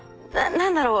何だろう？